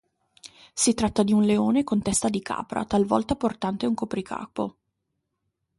Si tratta di un leone con testa di capra, talvolta portante un copricapo.